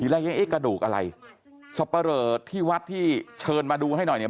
แรกยังเอ๊ะกระดูกอะไรสับปะเรอที่วัดที่เชิญมาดูให้หน่อยเนี่ย